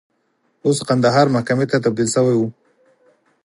اوس کندهار محکمې ته تبدیل شوی و.